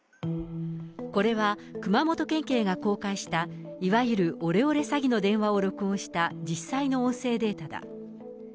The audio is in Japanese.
これは、熊本県警が公開した、いわゆるオレオレ詐欺の電話を録音した実際の音声データだ。